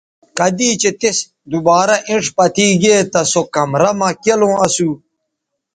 کدی چہء تِس دوبارہ اینڇ پتے گے تہ سو کمرہ مہ کیلوں اسو